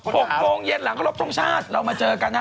พรุ่งนี้เรากลับมาเจอกัน